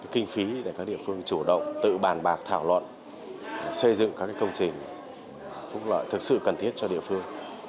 kinh phí để các địa phương chủ động tự bàn bạc thảo luận xây dựng các công trình phúc lợi thực sự cần thiết cho địa phương